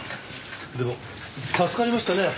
でも助かりましたね。